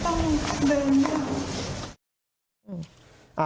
ต้องเดินเถอะ